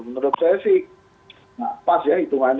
menurut saya sih pas ya hitungannya